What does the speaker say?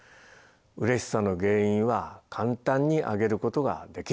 うれしさの原因は簡単に挙げることができる。